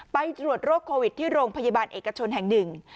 ไปตรวจโรคโควิดที่โรงพยาบาลเอกชนแห่งหนึ่ง